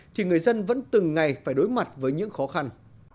thì người dân vẫn từng ngày phải đối mặt với những khó khăn